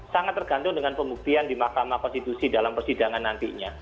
sangat tergantung dengan pembuktian di mahkamah konstitusi dalam persidangan nantinya